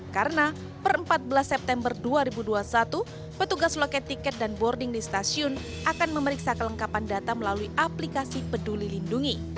karena per empat belas september dua ribu dua puluh satu petugas loket tiket dan boarding di stasiun akan memeriksa kelengkapan data melalui aplikasi peduli lindungi